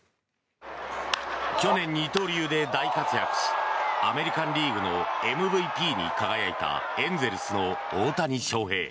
去年、二刀流で大活躍しアメリカン・リーグのＭＶＰに輝いたエンゼルスの大谷翔平。